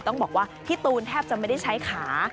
ต้องบอกว่าพี่ตูนแทบจะไม่ได้ใช้ขา